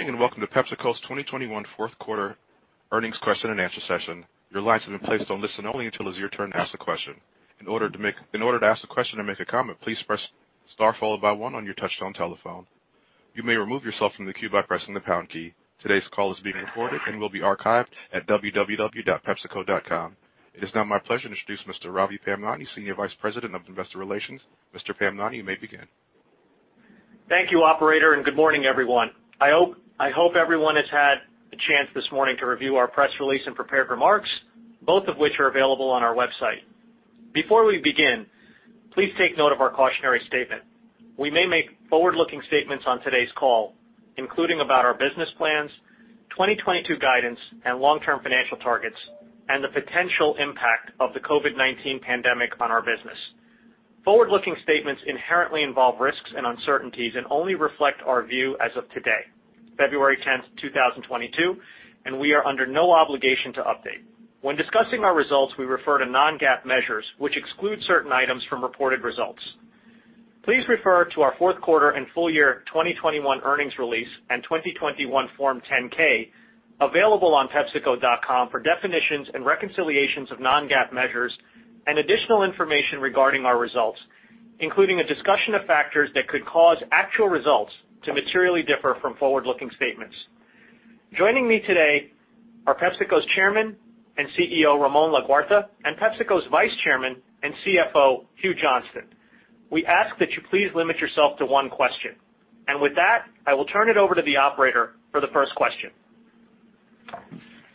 Good morning, and welcome to PepsiCo's 2021 fourth quarter earnings question-and-answer session. Your lines have been placed on listen only until it's your turn to ask a question. In order to ask a question or make a comment, please press star followed by one on your touchtone telephone. You may remove yourself from the queue by pressing the pound key. Today's call is being recorded and will be archived at www.pepsico.com. It is now my pleasure to introduce Mr. Ravi Pamnani, Senior Vice President of Investor Relations. Mr. Pamnani, you may begin. Thank you operator, and good morning, everyone. I hope everyone has had a chance this morning to review our press release and prepared remarks, both of which are available on our website. Before we begin, please take note of our cautionary statement. We may make forward-looking statements on today's call, including about our business plans, 2022 guidance and long-term financial targets, and the potential impact of the COVID-19 pandemic on our business. Forward-looking statements inherently involve risks and uncertainties and only reflect our view as of today, February 10, 2022, and we are under no obligation to update. When discussing our results, we refer to non-GAAP measures, which exclude certain items from reported results. Please refer to our fourth quarter and full year 2021 earnings release and 2021 Form 10-K available on pepsico.com for definitions and reconciliations of non-GAAP measures and additional information regarding our results, including a discussion of factors that could cause actual results to materially differ from forward-looking statements. Joining me today are PepsiCo's Chairman and CEO, Ramon Laguarta, and PepsiCo's Vice Chairman and CFO, Hugh Johnston. We ask that you please limit yourself to one question. With that, I will turn it over to the operator for the first question.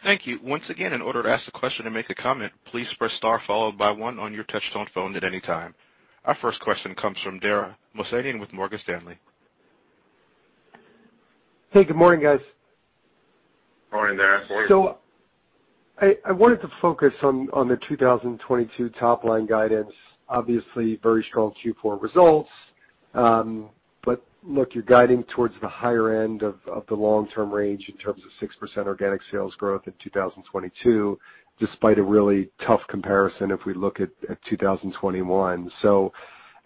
Thank you. Once again, in order to ask a question or make a comment, please press star followed by one on your touch-tone phone at any time. Our first question comes from Dara Mohsenian with Morgan Stanley. Hey, good morning, guys. Morning, Dara. I wanted to focus on the 2022 top line guidance. Obviously, very strong Q4 results. Look, you're guiding towards the higher end of the long-term range in terms of 6% organic sales growth in 2022, despite a really tough comparison if we look at 2021.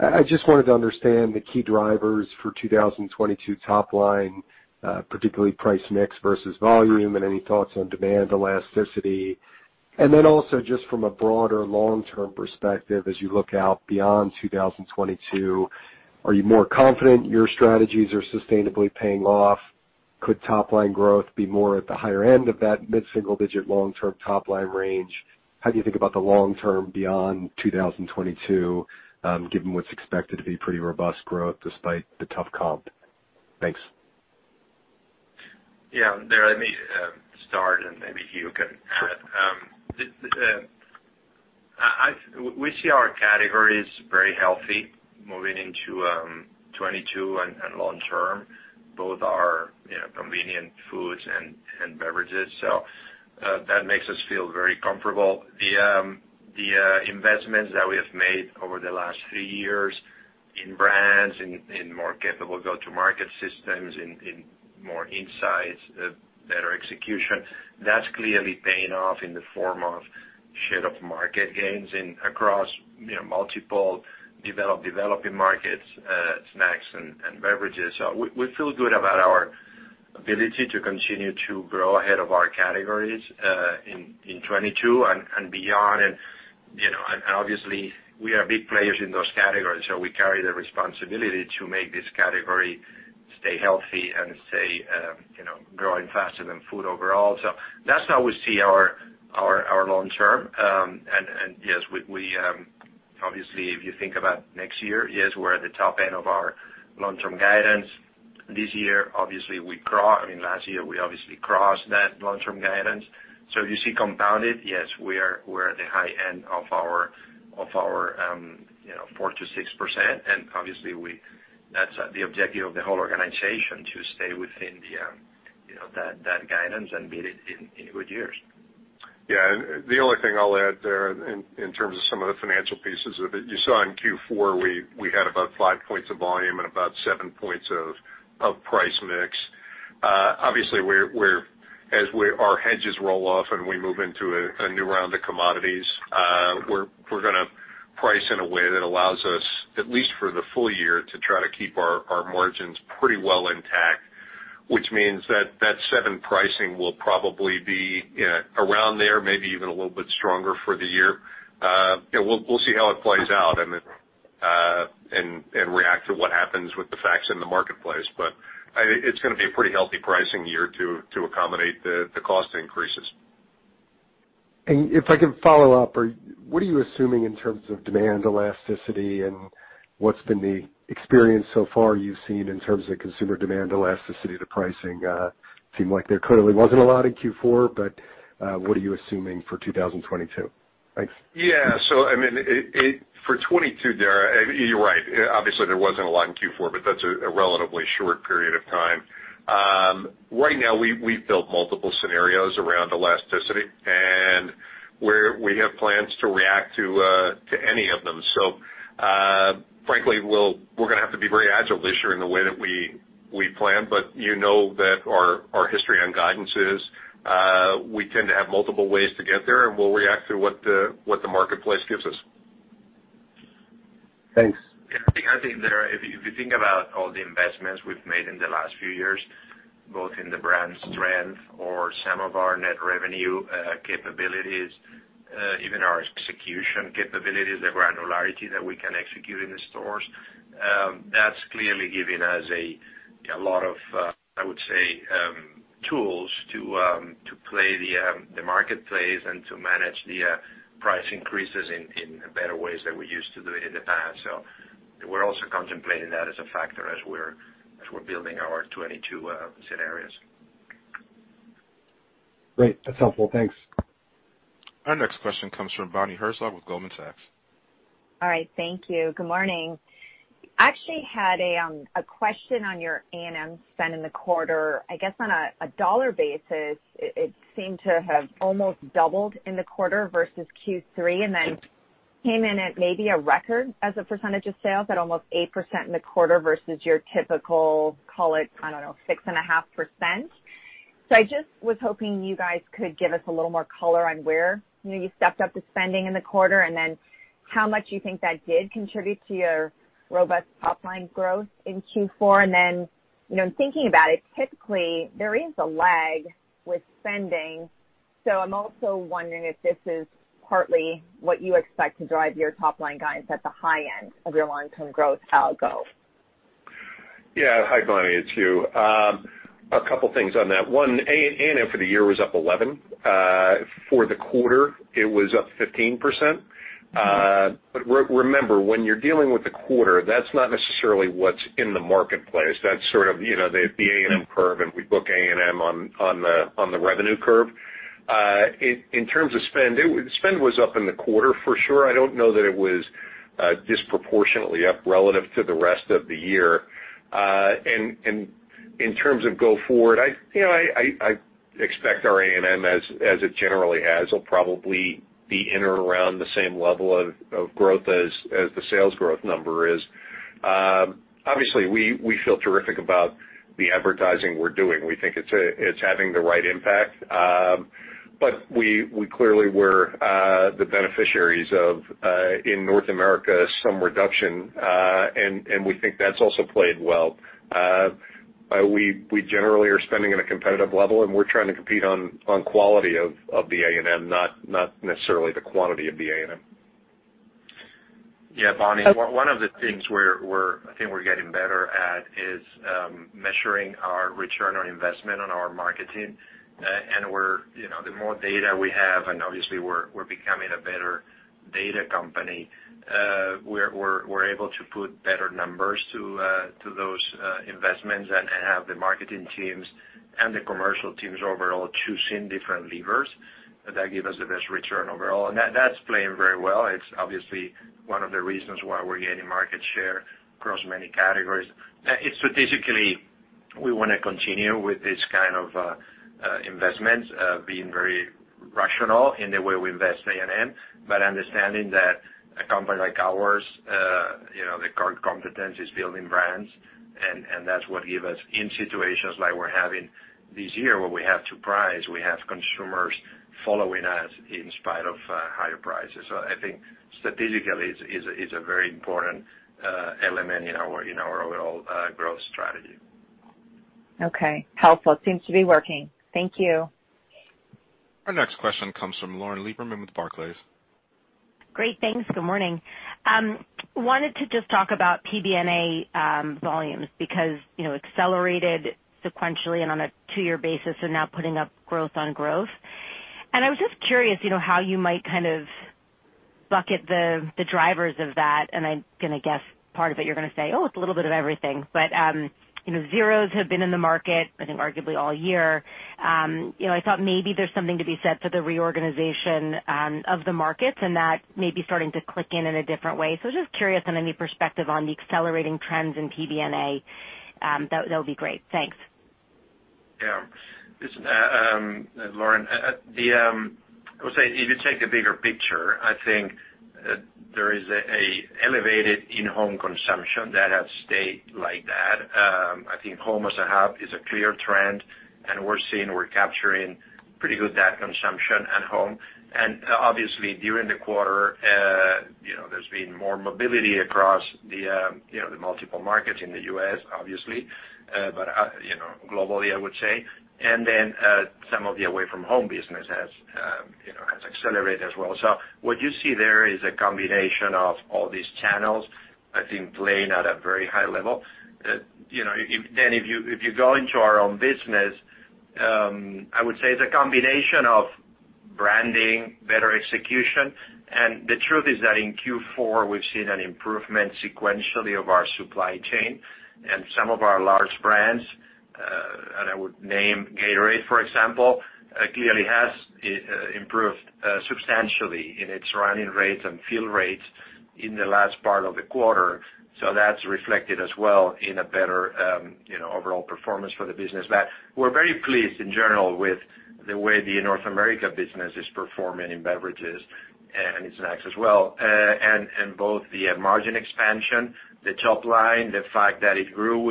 I just wanted to understand the key drivers for 2022 top line, particularly price mix versus volume, and any thoughts on demand elasticity. Then also just from a broader long-term perspective as you look out beyond 2022, are you more confident your strategies are sustainably paying off? Could top line growth be more at the higher end of that mid-single digit long-term top line range? How do you think about the long term beyond 2022, given what's expected to be pretty robust growth despite the tough comp? Thanks. Yeah. Dara, let me start, and maybe Hugh can add. We see our categories very healthy moving into 2022 and long term, both our, you know, convenient foods and beverages. That makes us feel very comfortable. The investments that we have made over the last three years in brands, in more capable go-to-market systems, in more insights, better execution, that's clearly paying off in the form of share of market gains across, you know, multiple developed, developing markets, snacks and beverages. We feel good about our ability to continue to grow ahead of our categories in 2022 and beyond. You know, obviously we are big players in those categories, so we carry the responsibility to make this category stay healthy and stay, you know, growing faster than food overall. So that's how we see our long term. Yes, we obviously, if you think about next year, yes, we're at the top end of our long-term guidance. I mean, last year, we obviously crossed that long-term guidance. So you see compounded, yes, we're at the high end of our, you know, 4%-6%. Obviously, that's the objective of the whole organization to stay within the, you know, that guidance and beat it in good years. Yeah. The only thing I'll add there in terms of some of the financial pieces of it, you saw in Q4, we had about five points of volume and about seven points of price mix. Obviously, we're our hedges roll off and we move into a new round of commodities, we're gonna price in a way that allows us, at least for the full year, to try to keep our margins pretty well intact, which means that seven pricing will probably be, you know, around there, maybe even a little bit stronger for the year. You know, we'll see how it plays out and then react to what happens with the facts in the marketplace. It's gonna be a pretty healthy pricing year to accommodate the cost increases. If I can follow up, or what are you assuming in terms of demand elasticity and what's been the experience so far you've seen in terms of consumer demand elasticity to pricing? Seemed like there clearly wasn't a lot in Q4, but, what are you assuming for 2022? Thanks. Yeah. I mean, for 2022, Dara, I mean, you're right. Obviously, there wasn't a lot in Q4, but that's a relatively short period of time. Right now we have built multiple scenarios around elasticity and where we have plans to react to any of them. Frankly, we're gonna have to be very agile this year in the way that we plan. You know that our history on guidance is we tend to have multiple ways to get there, and we'll react to what the marketplace gives us. Thanks. Yeah, I think if you think about all the investments we've made in the last few years, both in the brand strength or some of our net revenue capabilities, even our execution capabilities, the granularity that we can execute in the stores, that's clearly given us a lot of, I would say, tools to play the marketplace and to manage the price increases in better ways than we used to do it in the past. We're also contemplating that as a factor as we're building our 2022 scenarios. Great. That's helpful. Thanks. Our next question comes from Bonnie Herzog with Goldman Sachs. All right, thank you. Good morning. I actually had a question on your A&M spend in the quarter. I guess on a dollar basis it seemed to have almost doubled in the quarter versus Q3, and then came in at maybe a record as a percentage of sales at almost 8% in the quarter versus your typical, call it, I don't know, 6.5%. I just was hoping you guys could give us a little more color on where, you know, you stepped up the spending in the quarter, and then how much you think that did contribute to your robust top line growth in Q4. You know, in thinking about it, typically there is a lag with spending. I'm also wondering if this is partly what you expect to drive your top line guidance at the high end of your long-term growth outlook. Yeah. Hi, Bonnie, it's Hugh. A couple things on that. One, A&M for the year was up 11%. For the quarter it was up 15%. But remember, when you're dealing with the quarter, that's not necessarily what's in the marketplace. That's sort of, you know, the A&M curve, and we book A&M on the revenue curve. In terms of spend was up in the quarter for sure. I don't know that it was disproportionately up relative to the rest of the year. And in terms of going forward, I, you know, expect our A&M, as it generally has, will probably be in or around the same level of growth as the sales growth number is. Obviously we feel terrific about the advertising we're doing. We think it's having the right impact. We clearly were the beneficiaries of some reduction in North America. We think that's also played well. We generally are spending at a competitive level, and we're trying to compete on quality of the A&M, not necessarily the quantity of the A&M. Yeah, Bonnie, one of the things we're, I think we're getting better at is measuring our return on investment on our marketing. We're, you know, the more data we have, and obviously we're able to put better numbers to those investments and have the marketing teams and the commercial teams overall choosing different levers that give us the best return overall. That's playing very well. It's obviously one of the reasons why we're gaining market share across many categories. It's strategically we wanna continue with this kind of investments being very rational in the way we invest A&M. Understanding that a company like ours, you know, the core competence is building brands and that's what give us in situations like we're having this year where we have to price, we have consumers following us in spite of higher prices. I think strategically it is a very important element in our overall growth strategy. Okay. Helpful. Seems to be working. Thank you. Our next question comes from Lauren Lieberman with Barclays. Great, thanks. Good morning. Wanted to just talk about PBNA volumes because, you know, accelerated sequentially and on a two-year basis and now putting up growth on growth. I was just curious, you know, how you might kind of bucket the drivers of that, and I'm gonna guess part of it you're gonna say, "Oh, it's a little bit of everything." You know, zeros have been in the market I think arguably all year. You know, I thought maybe there's something to be said for the reorganization of the markets and that may be starting to click in in a different way. Just curious on any perspective on the accelerating trends in PBNA, that'll be great. Thanks. Listen, Lauren. I would say if you take the bigger picture, I think there is an elevated in-home consumption that has stayed like that. I think home as a hub is a clear trend, and we're seeing, we're capturing pretty good data consumption at home. Obviously during the quarter, you know, there's been more mobility across the multiple markets in the U.S. obviously. You know, globally, I would say. Then some of the away from home business has accelerated as well. What you see there is a combination of all these channels, I think playing at a very high level. You know, if you go into our own business, I would say it's a combination of branding, better execution. The truth is that in Q4 we've seen an improvement sequentially of our supply chain and some of our large brands, and I would name Gatorade, for example, clearly has improved substantially in its run rates and fill rates in the last part of the quarter. That's reflected as well in a better, you know, overall performance for the business. We're very pleased in general with the way the North America business is performing in beverages and in snacks as well. Both the margin expansion, the top line, the fact that it grew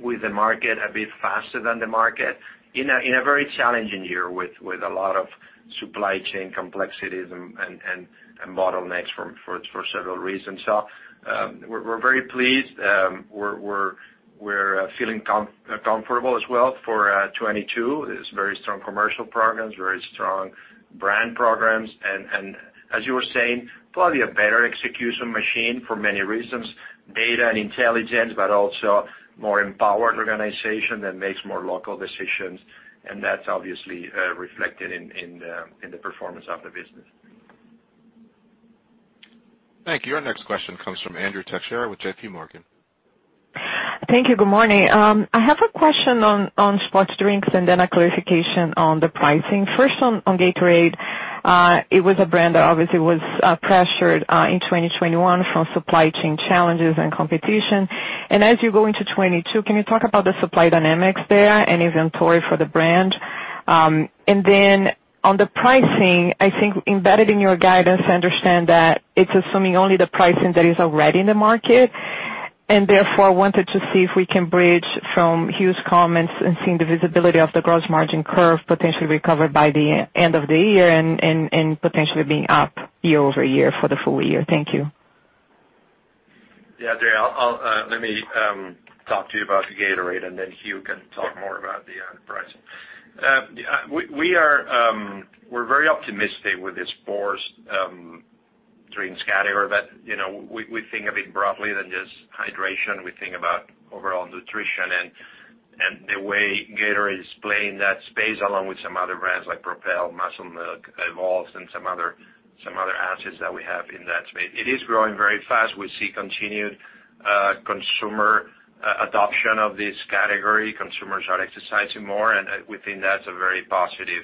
with the market, a bit faster than the market in a very challenging year with a lot of supply chain complexities and bottlenecks for several reasons. We're very pleased. We're feeling comfortable as well for 2022. There's very strong commercial programs, very strong brand programs. As you were saying, probably a better execution machine for many reasons, data and intelligence, but also more empowered organization that makes more local decisions. That's obviously reflected in the performance of the business. Thank you. Our next question comes from Andrea Teixeira with JPMorgan. Thank you. Good morning. I have a question on sports drinks and then a clarification on the pricing. First on Gatorade, it was a brand that obviously was pressured in 2021 from supply chain challenges and competition. As you go into 2022, can you talk about the supply dynamics there and inventory for the brand? And then on the pricing, I think embedded in your guidance, I understand that it's assuming only the pricing that is already in the market. Therefore, I wanted to see if we can bridge from Hugh's comments and seeing the visibility of the gross margin curve potentially recover by the end of the year and potentially being up year over year for the full year. Thank you. Yeah, Andrea, I'll let me talk to you about the Gatorade, and then Hugh can talk more about the pricing. We're very optimistic with the sports drinks category. You know, we think of it more broadly than just hydration. We think about overall nutrition and the way Gatorade is playing that space, along with some other brands like Propel, Muscle Milk, EVOLVE, and some other assets that we have in that space. It is growing very fast. We see continued consumer adoption of this category. Consumers are exercising more, and we think that's a very positive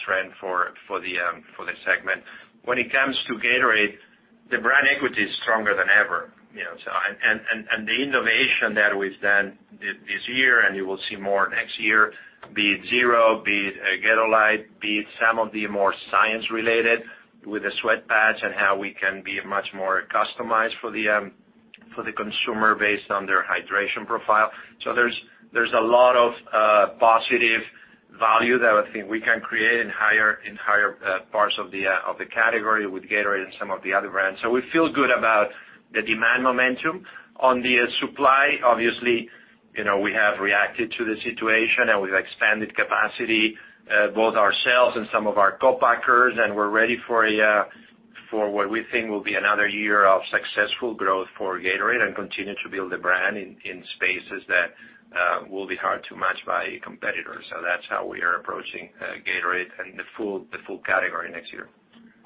trend for the segment. When it comes to Gatorade, the brand equity is stronger than ever, you know, so. The innovation that we've done this year, and you will see more next year, be it Zero, be it Gatorlyte, be it some of the more science related with the sweat patch and how we can be much more customized for the consumer based on their hydration profile. There's a lot of positive value that I think we can create in higher parts of the category with Gatorade and some of the other brands. We feel good about the demand momentum. On the supply, obviously, you know, we have reacted to the situation and we've expanded capacity, both ourselves and some of our co-packers, and we're ready for what we think will be another year of successful growth for Gatorade and continue to build the brand in spaces that will be hard to match by competitors. That's how we are approaching Gatorade and the full category next year.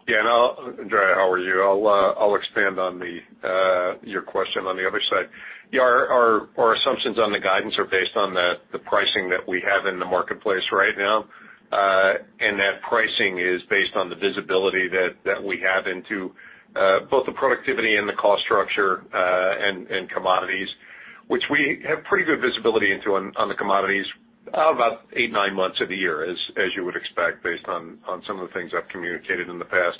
Andrea, how are you? I'll expand on your question on the other side. Our assumptions on the guidance are based on the pricing that we have in the marketplace right now. That pricing is based on the visibility that we have into both the productivity and the cost structure, and commodities, which we have pretty good visibility into on the commodities, about eight, nine months of the year, as you would expect based on some of the things I've communicated in the past.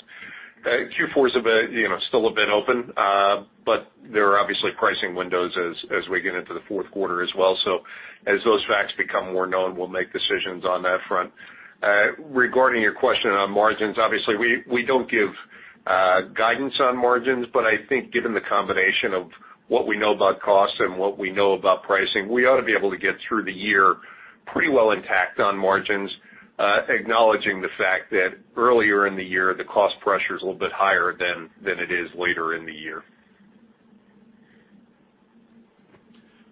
Q4 is a bit, you know, still a bit open, but there are obviously pricing windows as we get into the fourth quarter as well. As those facts become more known, we'll make decisions on that front. Regarding your question on margins, obviously we don't give guidance on margins, but I think given the combination of what we know about costs and what we know about pricing, we ought to be able to get through the year pretty well intact on margins, acknowledging the fact that earlier in the year, the cost pressure is a little bit higher than it is later in the year.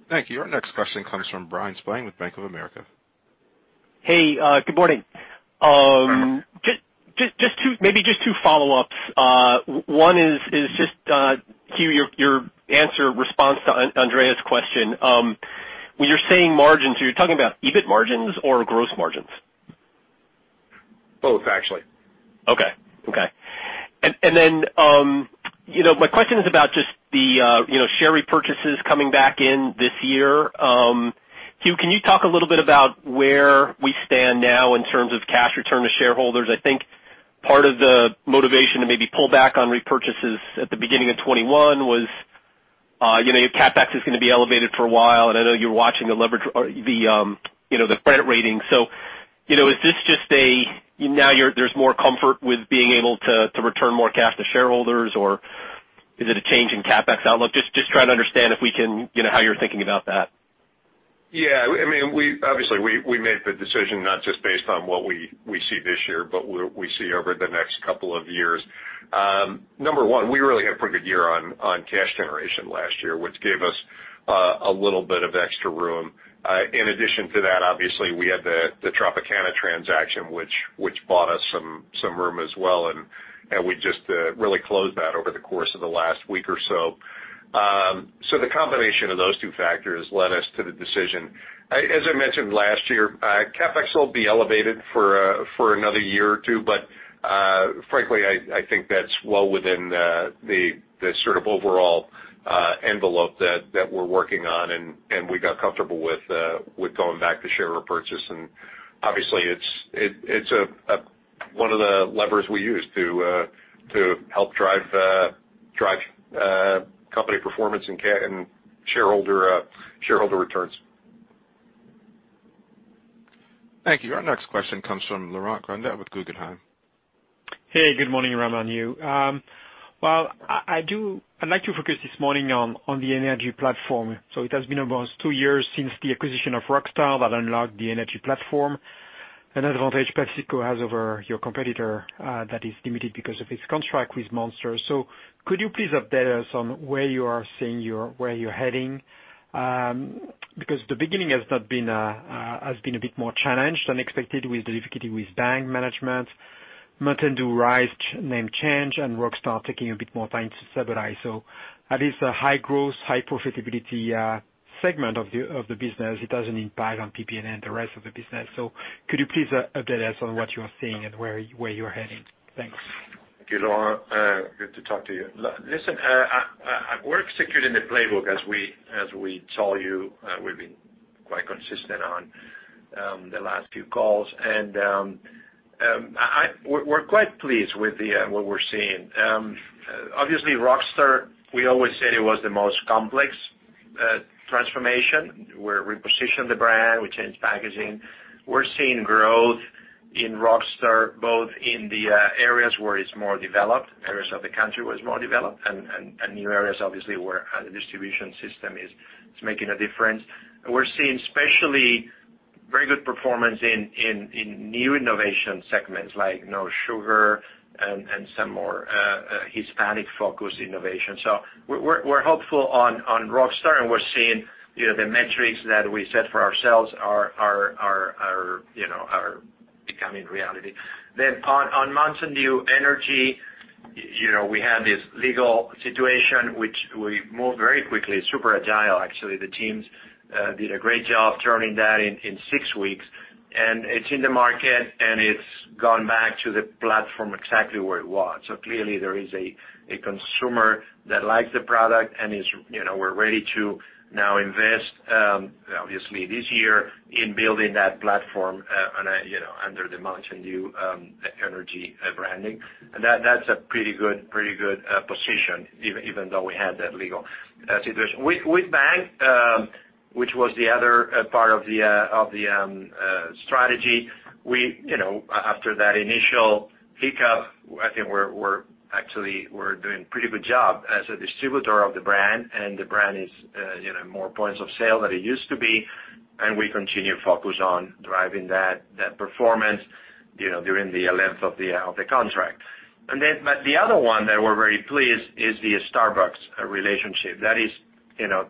Thank you. Our next question comes from Bryan Spillane with Bank of America. Hey, good morning. Just two, maybe just two follow-ups. One is just Hugh, your answer response to Andrea's question. When you're saying margins, are you talking about EBIT margins or gross margins? Both actually. Then, you know, my question is about just the, you know, share repurchases coming back in this year. Hugh, can you talk a little bit about where we stand now in terms of cash return to shareholders? I think part of the motivation to maybe pull back on repurchases at the beginning of 2021 was, you know, your CapEx is gonna be elevated for a while, and I know you're watching the leverage or the, you know, the credit rating. You know, is this just there's more comfort with being able to return more cash to shareholders or is it a change in CapEx outlook? Just trying to understand if we can, you know, how you're thinking about that. Yeah, I mean, we obviously made the decision not just based on what we see this year, but what we see over the next couple of years. Number one, we really had a pretty good year on cash generation last year, which gave us a little bit of extra room. In addition to that, obviously, we had the Tropicana transaction, which bought us some room as well, and we just really closed that over the course of the last week or so. The combination of those two factors led us to the decision. As I mentioned last year, CapEx will be elevated for another year or two, but frankly, I think that's well within the sort of overall envelope that we're working on and we got comfortable with going back to share repurchase. Obviously it's a One of the levers we use to help drive company performance and shareholder returns. Thank you. Our next question comes from Laurent Grandet with Guggenheim. Hey, good morning, Ramon Laguarta. I'd like to focus this morning on the energy platform. It has been almost two years since the acquisition of Rockstar that unlocked the energy platform, an advantage PepsiCo has over your competitor that is limited because of its contract with Monster. Could you please update us on where you're heading? Because the beginning has been a bit more challenged than expected with the difficulty with Bang management, Mountain Dew Rise name change, and Rockstar taking a bit more time to stabilize. That is a high-growth, high-profitability segment of the business. It doesn't impact on PBNA and the rest of the business. Could you please update us on what you are seeing and where you're heading? Thanks. Thank you, Laurent. Good to talk to you. Listen, we're executing the playbook as we told you, we've been quite consistent on the last few calls. We're quite pleased with what we're seeing. Obviously, Rockstar, we always said it was the most complex transformation, where we repositioned the brand, we changed packaging. We're seeing growth in Rockstar, both in the areas where it's more developed, areas of the country where it's more developed and new areas obviously where the distribution system is making a difference. We're seeing especially very good performance in new innovation segments like no sugar and some more Hispanic-focused innovation. We're hopeful on Rockstar, and we're seeing, you know, the metrics that we set for ourselves are becoming reality. On Mountain Dew Energy, you know, we had this legal situation which we moved very quickly, super agile actually. The teams did a great job turning that in six weeks, and it's in the market, and it's gone back to the platform exactly where it was. Clearly there is a consumer that likes the product and we're ready to now invest obviously this year in building that platform on a under the Mountain Dew Energy branding. That's a pretty good position even though we had that legal situation. With Bang, which was the other part of the strategy, we, you know, after that initial hiccup, I think we're actually doing pretty good job as a distributor of the brand, and the brand is, you know, more points of sale than it used to be. We continue to focus on driving that performance, you know, during the length of the contract. The other one that we're very pleased is the Starbucks relationship. That is, you know,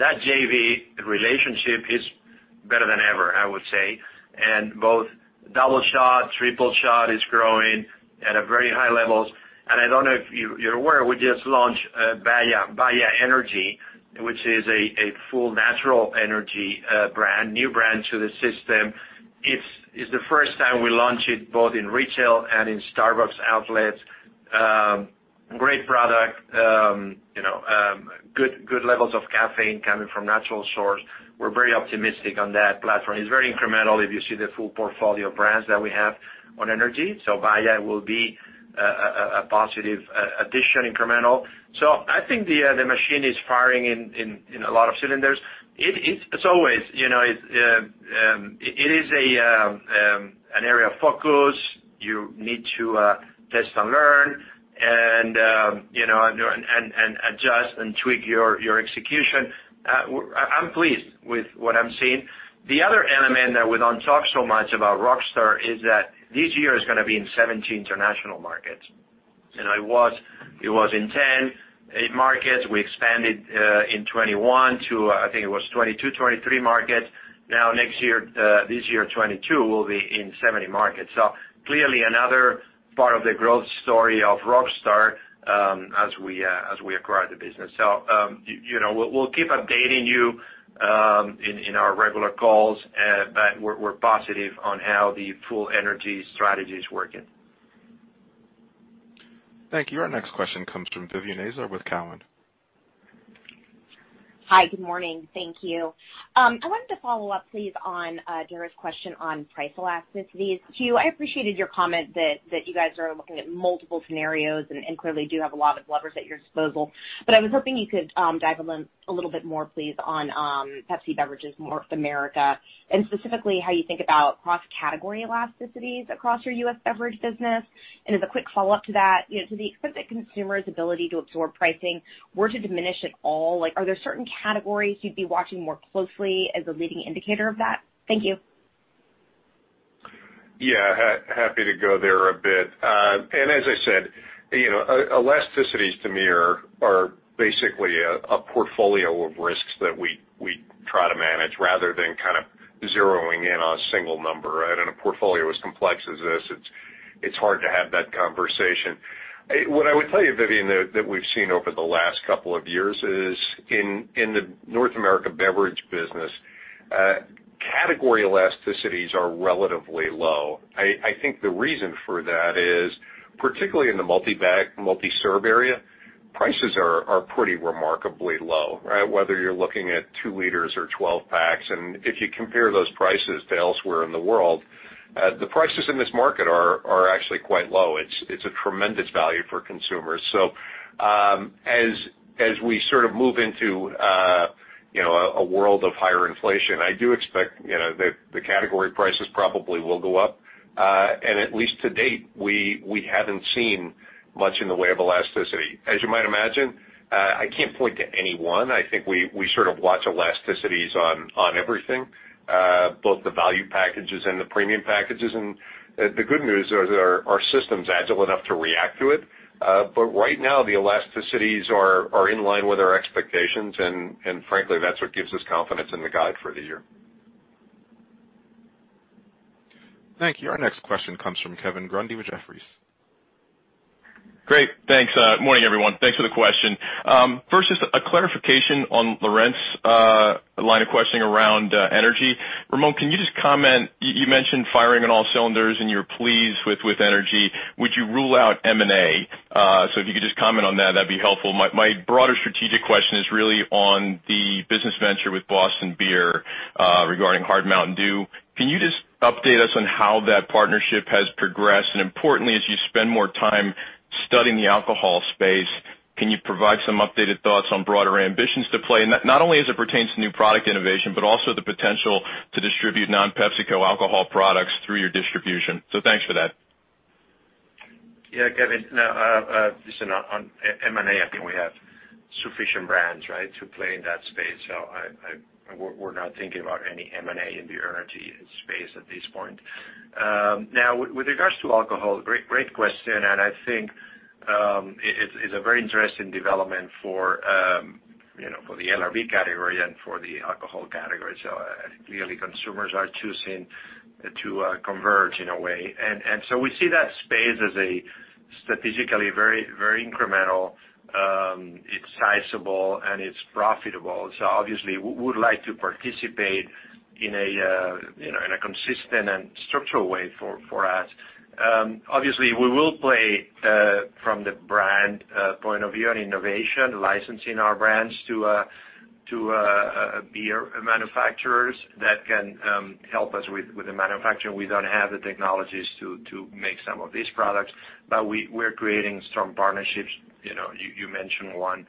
that JV relationship is better than ever, I would say. Both Double Shot, Triple Shot is growing at a very high levels. I don't know if you're aware, we just launched BAYA Energy, which is a full natural energy brand, new brand to the system. It's the first time we launch it both in retail and in Starbucks outlets. Great product, you know, good levels of caffeine coming from natural source. We're very optimistic on that platform. It's very incremental if you see the full portfolio of brands that we have on energy. BAYA will be a positive addition incremental. I think the machine is firing in a lot of cylinders. It is, as always, you know, an area of focus. You need to test and learn and, you know, and adjust and tweak your execution. I'm pleased with what I'm seeing. The other element that we don't talk so much about Rockstar is that this year is gonna be in 70 international markets. You know, it was in 10 markets. We expanded in 2021 to, I think it was 22, 23 markets. Now next year, this year, 2022, we'll be in 70 markets. Clearly another part of the growth story of Rockstar as we acquire the business. You know, we'll keep updating you in our regular calls, but we're positive on how the full energy strategy is working. Thank you. Our next question comes from Vivien Azer with Cowen. Hi. Good morning. Thank you. I wanted to follow up please on Dara's question on price elasticities to you. I appreciated your comment that you guys are looking at multiple scenarios and clearly do have a lot of levers at your disposal. But I was hoping you could dive a little bit more, please, on PepsiCo Beverages North America, and specifically how you think about cross-category elasticities across your U.S. beverage business. As a quick follow-up to that, you know, to the extent that consumers' ability to absorb pricing were to diminish at all, like, are there certain categories you'd be watching more closely as a leading indicator of that? Thank you. Yeah. Happy to go there a bit. As I said, you know, elasticities to me are basically a portfolio of risks that we try to manage rather than kind of zeroing in on a single number. In a portfolio as complex as this, it's hard to have that conversation. What I would tell you, Vivian, though, that we've seen over the last couple of years is in the North America beverage business, category elasticities are relatively low. I think the reason for that is, particularly in the multi-pack, multi-serve area. Prices are pretty remarkably low, right? Whether you're looking at 2 liters or 12 packs. If you compare those prices to elsewhere in the world, the prices in this market are actually quite low. It's a tremendous value for consumers. As we sort of move into, you know, a world of higher inflation, I do expect, you know, that the category prices probably will go up. At least to date, we haven't seen much in the way of elasticity. As you might imagine, I can't point to any one. I think we sort of watch elasticities on everything, both the value packages and the premium packages. The good news is our system's agile enough to react to it. Right now, the elasticities are in line with our expectations. Frankly, that's what gives us confidence in the guide for the year. Thank you. Our next question comes from Kevin Grundy with Jefferies. Great. Thanks. Morning, everyone. Thanks for the question. First, just a clarification on Laurent's line of questioning around energy. Ramon, can you just comment? You mentioned firing on all cylinders, and you're pleased with energy. Would you rule out M&A? If you could just comment on that'd be helpful. My broader strategic question is really on the business venture with Boston Beer regarding Hard Mountain Dew. Can you just update us on how that partnership has progressed? Importantly, as you spend more time studying the alcohol space, can you provide some updated thoughts on broader ambitions to play? Not only as it pertains to new product innovation, but also the potential to distribute non-PepsiCo alcohol products through your distribution. Thanks for that. Yeah, Kevin, listen, on M&A, I think we have sufficient brands, right, to play in that space. We're not thinking about any M&A in the energy space at this point. Now with regards to alcohol, great question, and I think, it is, it's a very interesting development for, you know, for the LRB category and for the alcohol category. Clearly, consumers are choosing to converge in a way. We see that space as a strategically very incremental, it's sizable, and it's profitable. Obviously, we'd like to participate in a, you know, in a consistent and structural way for us. Obviously, we will play from the brand point of view on innovation, licensing our brands to beer manufacturers that can help us with the manufacturing. We don't have the technologies to make some of these products, but we're creating strong partnerships. You know, you mentioned one.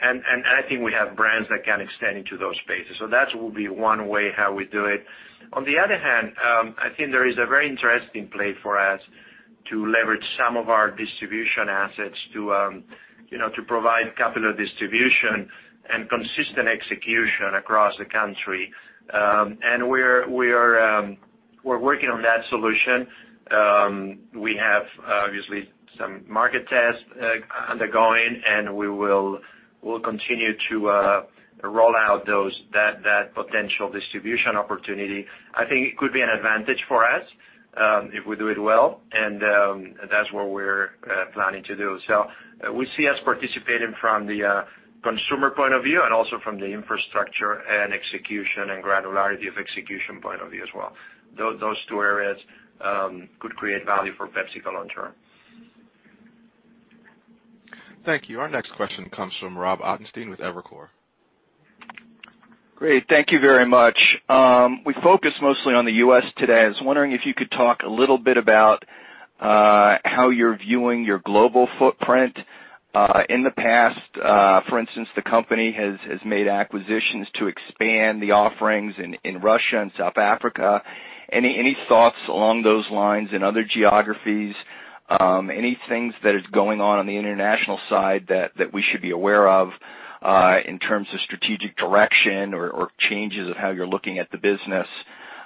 I think we have brands that can extend into those spaces. That will be one way how we do it. On the other hand, I think there is a very interesting play for us to leverage some of our distribution assets to provide capital distribution and consistent execution across the country. We're working on that solution. We have, obviously, some market tests undergoing, and we'll continue to roll out that potential distribution opportunity. I think it could be an advantage for us if we do it well, and that's what we're planning to do. We see us participating from the consumer point of view and also from the infrastructure and execution and granularity of execution point of view as well. Those two areas could create value for PepsiCo long term. Thank you. Our next question comes from Robert Ottenstein with Evercore. Great. Thank you very much. We focused mostly on the U.S. today. I was wondering if you could talk a little bit about how you're viewing your global footprint. In the past, for instance, the company has made acquisitions to expand the offerings in Russia and South Africa. Any thoughts along those lines, in other geographies? Any things that is going on on the international side that we should be aware of, in terms of strategic direction or changes of how you're looking at the business?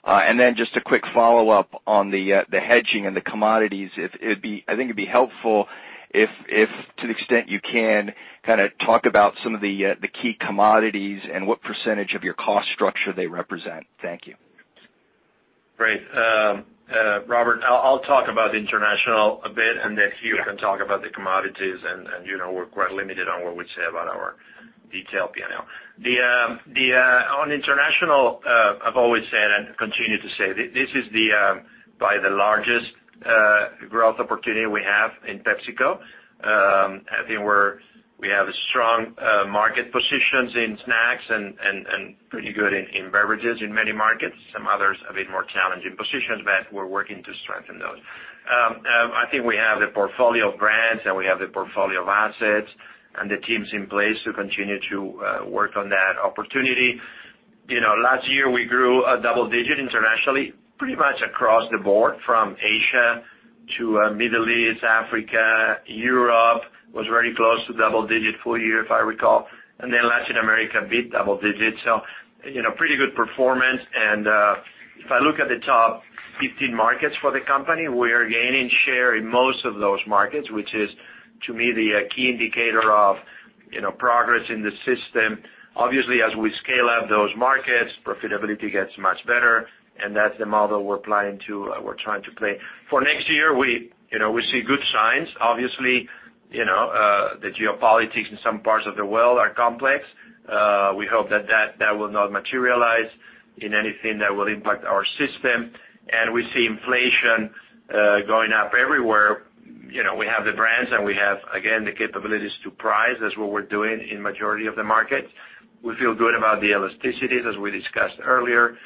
And then just a quick follow-up on the hedging and the commodities. I think it'd be helpful if to the extent you can, kind of talk about some of the key commodities and what percentage of your cost structure they represent. Thank you. Great. Robert, I'll talk about international a bit, and then Hugh. Yeah. We can talk about the commodities. You know, we're quite limited on what we say about our detailed P&L. On international, I've always said and continue to say, this is probably the largest growth opportunity we have in PepsiCo. I think we have strong market positions in snacks and pretty good in beverages in many markets. Some others, a bit more challenging positions, but we're working to strengthen those. I think we have the portfolio of brands, and we have the portfolio of assets and the teams in place to continue to work on that opportunity. You know, last year, we grew double-digit internationally, pretty much across the board from Asia to Middle East, Africa. Europe was very close to double-digit full-year, if I recall. Latin America beat double digits. You know, pretty good performance. If I look at the top 15 markets for the company, we are gaining share in most of those markets, which is, to me, the key indicator of, you know, progress in the system. Obviously, as we scale up those markets, profitability gets much better, and that's the model we're trying to play. For next year, you know, we see good signs. Obviously, you know, the geopolitics in some parts of the world are complex. We hope that will not materialize in anything that will impact our system. We see inflation going up everywhere. You know, we have the brands, and we have, again, the capabilities to price. That's what we're doing in majority of the market. We feel good about the elasticities, as we discussed earlier,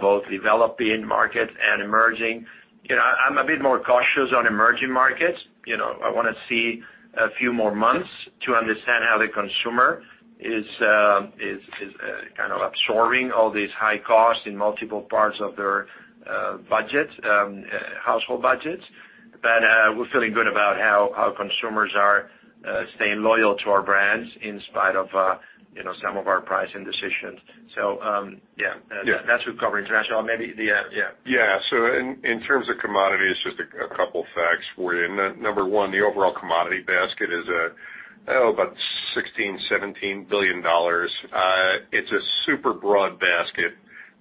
both developing market and emerging. You know, I'm a bit more cautious on emerging markets. You know, I wanna see a few more months to understand how the consumer is kind of absorbing all these high costs in multiple parts of their budget, household budgets. We're feeling good about how consumers are staying loyal to our brands in spite of you know, some of our pricing decisions. Yeah. Yeah. That should cover international. Yeah. In terms of commodities, just a couple facts for you. Number one, the overall commodity basket is about $16 billion-$17 billion. It's a super broad basket.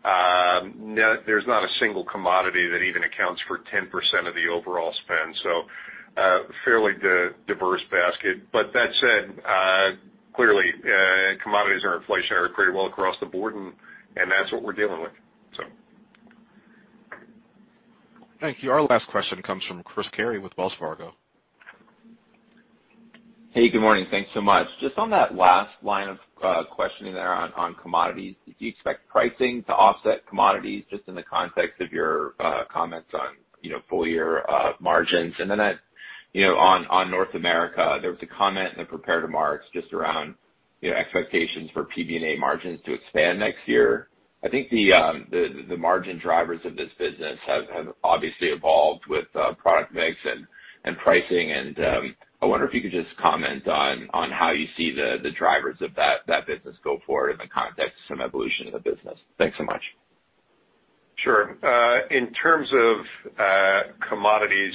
There's not a single commodity that even accounts for 10% of the overall spend, so fairly diverse basket. But that said, clearly commodities and inflation are pretty well across the board, and that's what we're dealing with. Thank you. Our last question comes from Chris Carey with Wells Fargo. Hey, good morning. Thanks so much. Just on that last line of questioning there on commodities, do you expect pricing to offset commodities just in the context of your comments on, you know, full year margins? Then at, you know, on North America, there was a comment in the prepared remarks just around, you know, expectations for PBNA margins to expand next year. I think the margin drivers of this business have obviously evolved with product mix and pricing. I wonder if you could just comment on how you see the drivers of that business go forward in the context of some evolution in the business. Thanks so much. Sure. In terms of commodities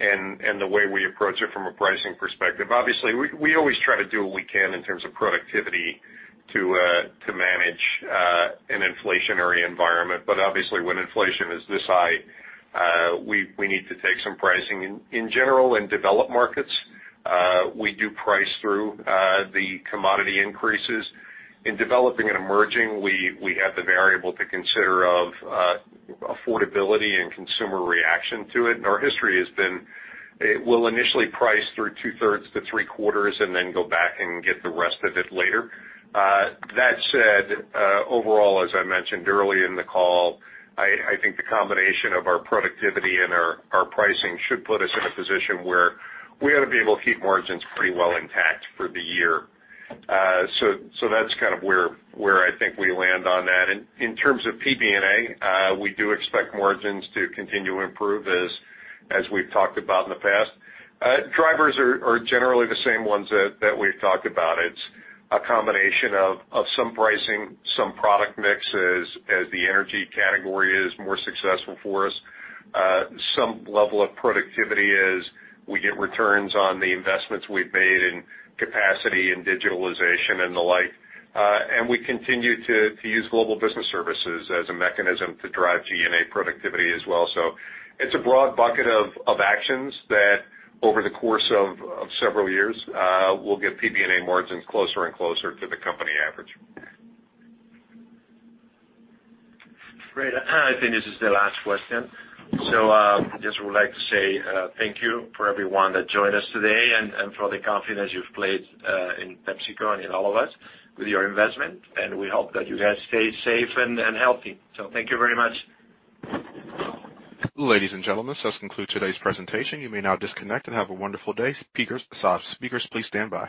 and the way we approach it from a pricing perspective, obviously, we always try to do what we can in terms of productivity to manage an inflationary environment. Obviously, when inflation is this high, we need to take some pricing. In general, in developed markets, we do price through the commodity increases. In developing and emerging, we have the variable to consider of affordability and consumer reaction to it. Our history has been it will initially price through 2/3-3/4 and then go back and get the rest of it later. That said, overall, as I mentioned early in the call, I think the combination of our productivity and our pricing should put us in a position where we ought to be able to keep margins pretty well intact for the year. So that's kind of where I think we land on that. In terms of PBNA, we do expect margins to continue to improve as we've talked about in the past. Drivers are generally the same ones that we've talked about. It's a combination of some pricing, some product mix as the energy category is more successful for us. Some level of productivity as we get returns on the investments we've made in capacity and digitalization and the like. We continue to use Global Business Services as a mechanism to drive G&A productivity as well. It's a broad bucket of actions that over the course of several years will get PBNA margins closer and closer to the company average. Great. I think this is the last question. Just would like to say, thank you for everyone that joined us today and for the confidence you've placed in PepsiCo and in all of us with your investment, and we hope that you guys stay safe and healthy. Thank you very much. Ladies and gentlemen, this does conclude today's presentation. You may now disconnect and have a wonderful day. Speakers, please stand by.